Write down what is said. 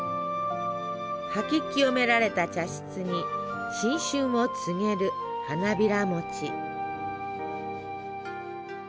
掃き清められた茶室に新春を告げる花びらもち。